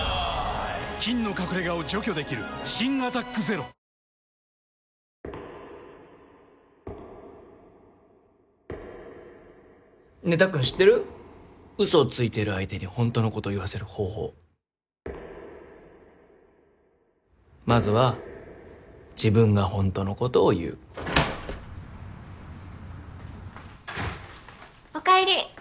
菌の隠れ家を除去できる新「アタックＺＥＲＯ」ねえたっくん知ってうそをついてる相手にほんとのこと言わせまずは自分がほんとのことをおかえり。